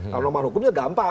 kalau norma hukumnya gampang